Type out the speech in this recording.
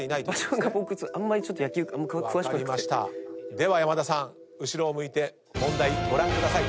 では山田さん後ろを向いて問題ご覧ください。